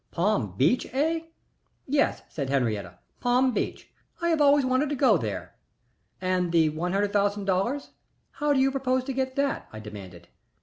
"Palm Beach, eh?" "Yes," said Henriette. "Palm Beach. I have always wanted to go there." "And the one hundred thousand dollars how do you propose to get that?" I demanded.